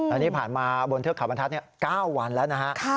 อันนี้ผ่านมาบนเทือกเขาบรรทัศน์๙วันแล้วนะฮะ